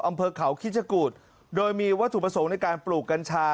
อำเภอเขาคิชกุฎโดยมีวัตถุประสงค์ในการปลูกกัญชา